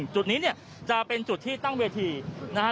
จุดนี้เนี่ยจะเป็นจุดที่ตั้งเวทีนะฮะ